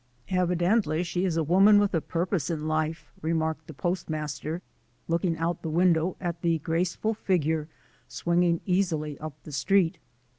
"Evidently she is a woman with a purpose in life," remarked the postmaster, looking out the window at the graceful figure swinging easily up the street.